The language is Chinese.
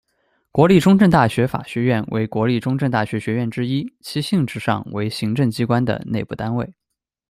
国立中正大学法学院为国立中正大学学院之一，其性质上为行政机关的内部单位。